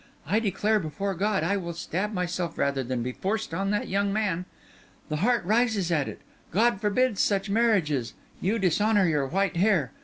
"I declare before God I will stab myself rather than be forced on that young man. The heart rises at it; God forbids such marriages; you dishonour your white hair.